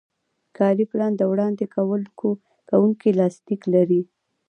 کاري پلان د وړاندې کوونکي لاسلیک لري.